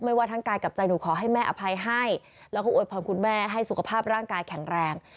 ว่าทั้งกายกับใจหนูขอให้แม่อภัยให้แล้วก็โวยพรคุณแม่ให้สุขภาพร่างกายแข็งแรง